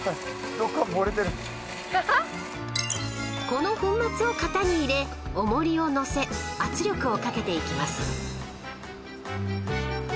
［この粉末を型に入れ重りを載せ圧力をかけていきます］